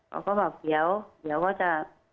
เขาก็บอกเดี๋ยวก็จะ